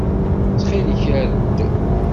Ttxil-k err-d.